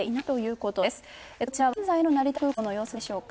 こちらは現在の成田空港の様子でしょうか。